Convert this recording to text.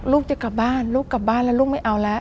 ลูกจะกลับบ้านลูกกลับบ้านแล้วลูกไม่เอาแล้ว